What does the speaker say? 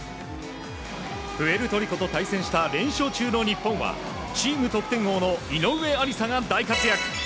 プエルトリコと対戦した連勝中の日本はチーム得点王の井上愛里沙が大活躍。